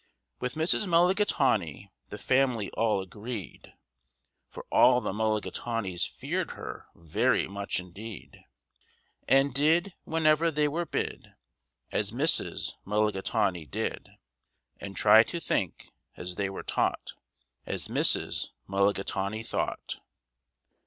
With Mrs. Mulligatawny the family all agreed, For all the Mulligatawnys feared her very much indeed, And did, whenever they were bid, As Mrs. Mulligatawny did, And tried to think, as they were taught, As Mrs. Mulligatawny thought.